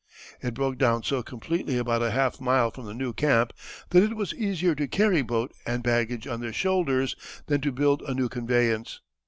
It broke down so completely about a half mile from the new camp that it was easier to carry boat and baggage on their shoulders than to build a new conveyance.